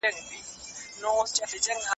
دا ډېر سپک دئ.